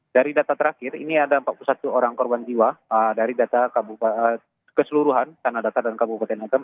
dari data terakhir ini ada empat puluh satu orang korban jiwa dari data keseluruhan tanah datar dan kabupaten agam